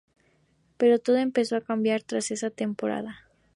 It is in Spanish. Pero todo empezó a cambiar tras esa temporada.